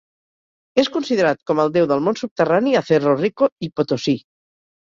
És considerat com el déu del món subterrani a Cerro Rico i Potosí.